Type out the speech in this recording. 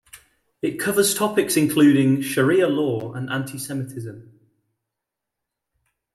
It covers topics including sharia law and antisemitism.